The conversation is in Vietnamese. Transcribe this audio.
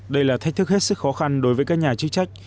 đây là thách thức hết sức khó khăn đối với các nhà chức trách